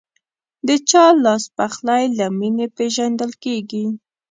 د چا لاسپخلی له مینې پیژندل کېږي.